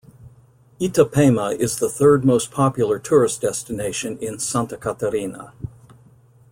Itapema is the third most popular tourist destination in Santa Catarina.